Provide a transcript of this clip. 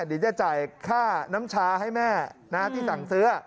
เดี๋ยวจะจ่ายค่าน้ำชาให้แม่ที่สั่งซื้อ